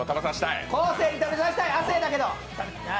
生に食べさせたい、亜生だけど。